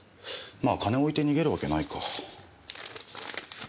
まあ金置いて逃げるわけないか。